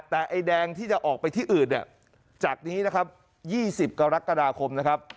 แต่ไอ้แดงที่จะออกไปที่อื่นเนี่ยจากนี้นะครับ๒๐กรกฎาคมนะครับ